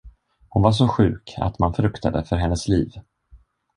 Hon var så sjuk, att man fruktade för hennes liv.